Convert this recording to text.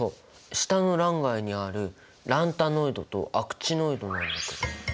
下の欄外にあるランタノイドとアクチノイドなんだけど。